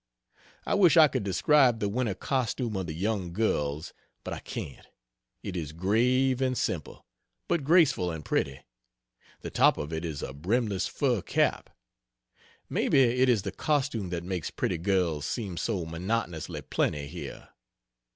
I wish I could describe the winter costume of the young girls, but I can't. It is grave and simple, but graceful and pretty the top of it is a brimless fur cap. Maybe it is the costume that makes pretty girls seem so monotonously plenty here.